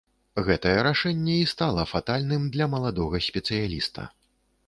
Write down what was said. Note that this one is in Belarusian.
Гэтае рашэнне і стала фатальным для маладога спецыяліста.